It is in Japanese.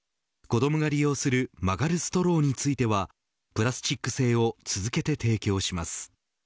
子どもが利用する曲がるストローについてはプラスチック製を続けて提供します。